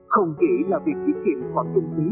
không chỉ là việc tiết kiệm khoản chung phí